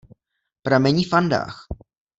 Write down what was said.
Pramení v Andách.